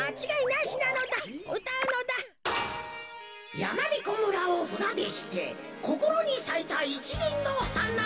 やまびこ村をふなでしてこころにさいたいちりんのはな。